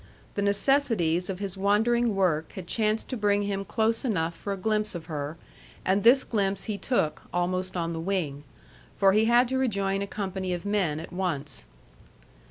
The necessities of his wandering work had chanced to bring him close enough for a glimpse of her, and this glimpse he took, almost on the wing. For he had to rejoin a company of men at once.